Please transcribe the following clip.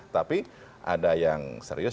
tapi ada yang serius